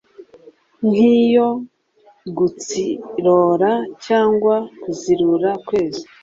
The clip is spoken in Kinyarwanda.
nk'iyo gutsirora cyangwa kuzirura, kweza.